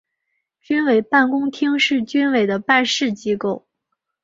军委办公厅是军委的办事机构。